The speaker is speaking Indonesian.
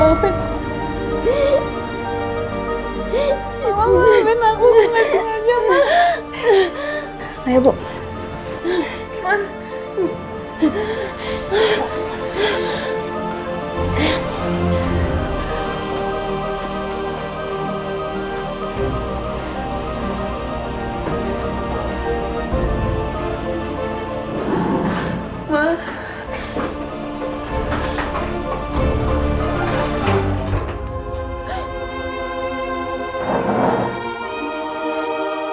assalamualaikum warahmatullahi wabarakatuh